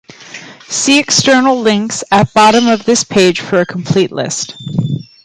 See External links at bottom of this page for a complete list.